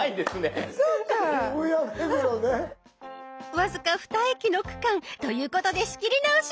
僅か２駅の区間ということで仕切り直し。